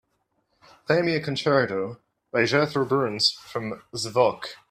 Play me a concerto by Jethro Burns from Zvooq